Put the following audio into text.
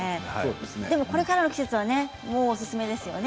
これからの季節はおすすめですよね。